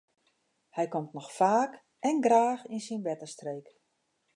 Hy komt noch faak en graach yn syn bertestreek.